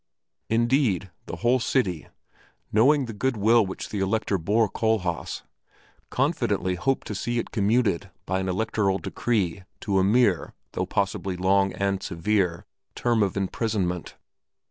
Indeed the whole city, knowing the good will which the Elector bore Kohlhaas, confidently hoped to see it commuted by an electoral decree to a mere, though possibly long and severe, term of imprisonment.